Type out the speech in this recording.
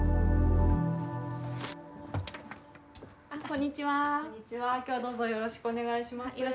こんにちは、きょうはどうぞよろしくお願いします。